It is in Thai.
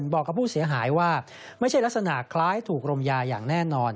บอกกับผู้เสียหายว่าไม่ใช่ลักษณะคล้ายถูกรมยาอย่างแน่นอน